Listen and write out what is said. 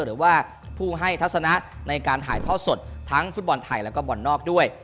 หรือว่าผู้ให้ทัศนะในการถ่ายทอดสดทั้งฟุตบอลไทยแล้วก็บอลนอกด้วย